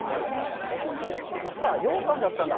そういうことか、羊羹だったんだ。